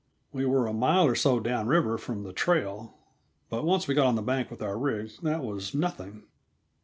We were a mile or so down river from the trail, but once we were on the bank with our rig, that was nothing.